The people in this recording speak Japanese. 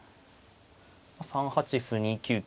３八歩２九桂。